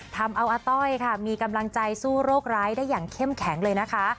ทำเอาอาต้อยค่ะมีกำลังใจสู้โรคร้ายได้อย่างเข้มแข็งเลยนะคะ